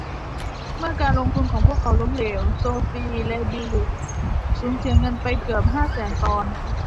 เมื่อการลงทุนของพวกเขาล้มเหลวโซฟีและบิล สูญเสียเงินไปเกือบห้าแสนปอนด์